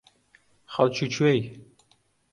خەڵکی کوێی؟